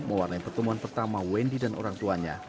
mewarnai pertemuan pertama wendy dan orang tuanya